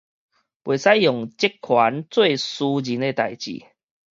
袂使利用職權做私人的代誌